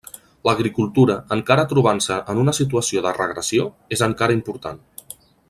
L'agricultura, encara trobant-se en una situació de regressió, és encara important.